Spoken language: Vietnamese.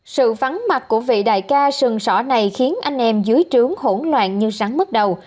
sự vắng mặt của vị đại ca sừng sỏ này khiến anh em dưới trướng hỗn loạn như sáng bước đầu